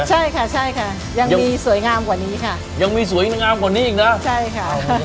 ใช่ค่ะใช่ค่ะยังมีสวยงามกว่านี้ค่ะยังมีสวยงามกว่านี้อีกนะใช่ค่ะ